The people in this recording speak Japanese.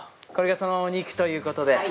これがそのお肉ということで。